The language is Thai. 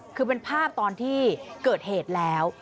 คือเป็นภาพตอนที่เกิดเหตุแล้ว